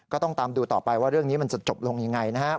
ก็ต้องตามดูต่อไปว่าเรื่องนี้มันจะจบลงยังไงนะครับ